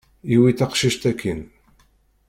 Yewwi taqcict akkin.